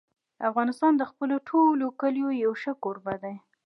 افغانستان د خپلو ټولو کلیو یو ښه کوربه دی.